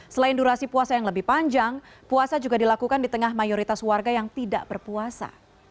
selain durasi puasa yang lebih panjang puasa juga dilakukan di tengah mayoritas warga yang tidak berpuasa